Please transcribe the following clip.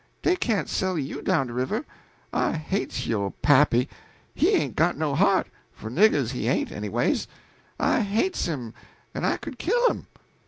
Dey can't sell you down de river. I hates yo' pappy; he hain't got no heart for niggers he hain't, anyways. I hates him, en I could kill him!"